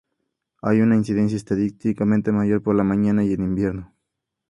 Hay una incidencia estadísticamente mayor por la mañana y en invierno.